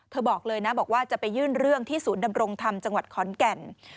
บอกเลยนะบอกว่าจะไปยื่นเรื่องที่ศูนย์ดำรงธรรมจังหวัดขอนแก่น